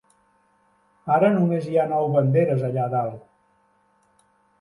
Ara només hi ha nou banderes allà dalt.